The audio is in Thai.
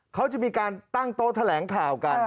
เขาจะมีการตั้งโต๊ะแถลงข่าวกัน